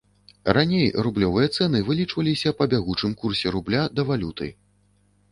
Раней рублёвыя цэны вылічваліся па бягучым курсе рубля да валюты.